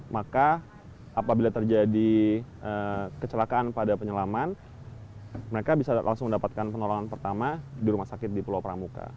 maka apabila terjadi kecelakaan pada penyelaman mereka bisa langsung mendapatkan penolongan pertama di rumah sakit di pulau pramuka